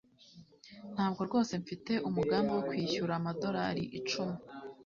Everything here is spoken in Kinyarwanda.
ntabwo rwose mfite umugambi wo kwishyura amadorari icumi